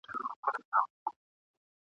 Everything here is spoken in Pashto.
او را یاد مي د خپل زړه د میني اور کم ..